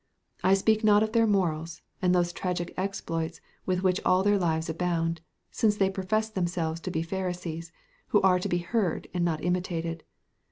I speak not of their morals, and those tragical exploits with which all their lives abound, since they profess themselves to be Pharisees, who are to be heard and not imitated.